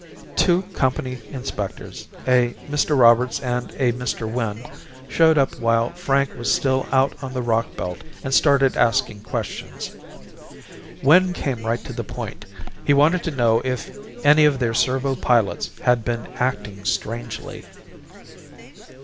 Two company inspectors, a Mr. Roberts and a Mr. Wynn, showed up while Frank was still out on the rock belt and started asking questions. Wynn came right to the point; he wanted to know if any of their servo pilots had been acting strangely.